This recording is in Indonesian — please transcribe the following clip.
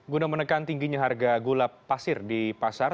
guna menekan tingginya harga gula pasir di pasar